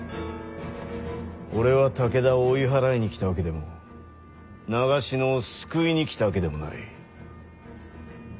俺は武田を追い払いに来たわけでも長篠を救いに来たわけでもない。